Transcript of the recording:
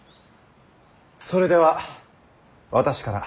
それでは私から。